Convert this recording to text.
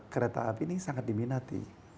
kereta api ini sangat diminati